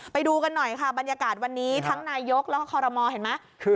ไปดูกันหน่อยค่ะบรรยากาศวันนี้ทั้งนายกแล้วก็คอรมอลเห็นไหม